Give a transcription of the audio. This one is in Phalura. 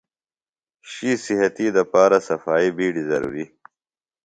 شُوئی صحتی دپارہ صفائی بِیڈیۡ ضروریۡ۔